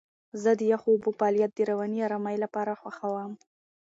زه د یخو اوبو فعالیت د رواني آرامۍ لپاره خوښوم.